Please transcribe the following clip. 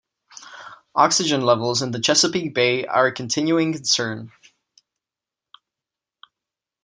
Oxygen levels in the Chesapeake Bay are a continuing concern.